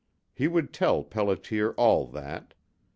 He would tell pelliter all that.